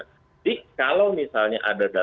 jadi kalau misalnya ada